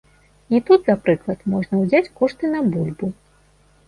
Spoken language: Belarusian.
І тут за прыклад можна ўзяць кошты на бульбу.